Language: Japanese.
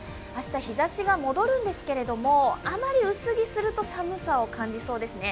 日ざしが戻るんですけれども、あまり薄着すると寒さを感じそうですね。